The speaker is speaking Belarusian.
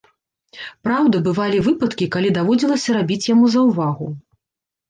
Праўда, бывалі выпадкі, калі даводзілася рабіць яму заўвагу.